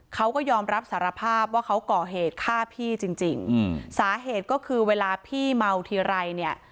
เขาก็ยอมรับสารภาพว่าเขาก่อเหตุฆ่าพี่จริงจริงสาเหตุก็คือเวลาพี่เมาทีไรเนี่ย